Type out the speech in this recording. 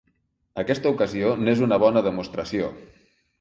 Aquesta ocasió n’és una bona demostració.